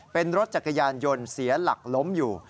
เป็นรถจักรยานยนต์เสียหลักล้มอยู่